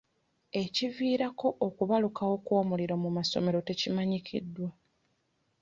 Ekiviirako okubalukawo kw'omuliro mu masomero tekimanyiddwa.